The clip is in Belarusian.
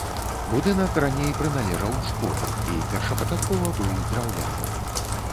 Будынак раней прыналежаў школе і першапачаткова быў драўляны.